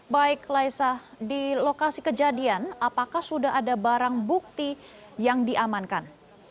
baik laisa di lokasi kejadian apakah sudah ada barang bukti yang diamankan